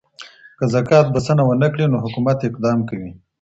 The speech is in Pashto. که زکات بسنه ونه کړي نو حکومت اقدام کوي.